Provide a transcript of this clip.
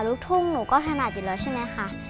ลูกทุ่งหนูก็ถนัดอยู่แล้วใช่ไหมคะ